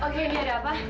oke ada apa